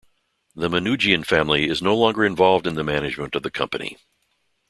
The Manoogian family is no longer involved in the management of the company.